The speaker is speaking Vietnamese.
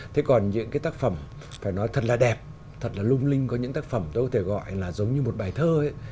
thế còn những cái tác phẩm phải nói thật là đẹp thật là lung linh có những tác phẩm tôi có thể gọi là giống như một bài thơ ấy